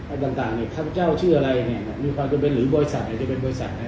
ต่างเนี่ยข้าพเจ้าชื่ออะไรเนี่ยมีความจำเป็นหรือบริษัทไหนจะเป็นบริษัทไหน